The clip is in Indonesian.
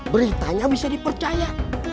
beritanya bisa dipercaya